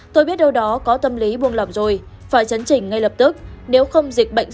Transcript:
tôi biết đâu đó có tâm lý buông lỏng rồi phải chấn chỉnh ngay lập tức nếu không dịch bệnh